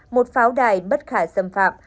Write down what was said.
một pháo đài bất khả xâm phạm